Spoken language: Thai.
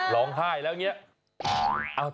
ร้องไห้แล้วอย่างนี้